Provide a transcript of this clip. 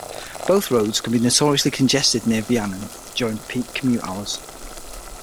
Both roads can be notoriously congested near Vianen during peak commute hours.